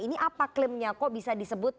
ini apa klaimnya kok bisa disebut